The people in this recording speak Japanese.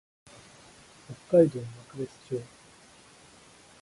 北海道幕別町